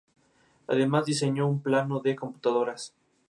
Además diseñó un plano de computadoras.